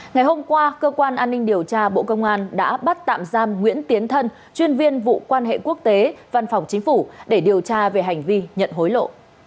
ngày hôm qua cơ quan an ninh điều tra bộ công an đã bắt tạm giam nguyễn tiến thân chuyên viên vụ quan hệ quốc tế văn phòng chính phủ để điều tra về hành vi nhận hối lộ